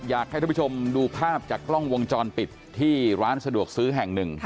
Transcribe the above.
อยากให้ท่านผู้ชมดูภาพจากกล้องวงจรปิดที่ร้านสะดวกซื้อแห่งหนึ่ง